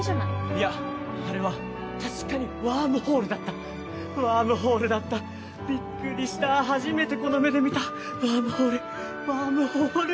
いやあれは確かにワームホールだったワームホールだったびっくりした初めてこの目で見たワームホールワームホール！